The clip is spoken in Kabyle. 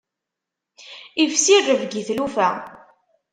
Ifsi rrebg i tlufa.